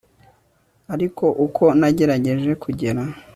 Ariko uko nagerageje kugera